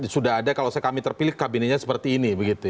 sudah ada kalau kami terpilih kabinnya seperti ini begitu ya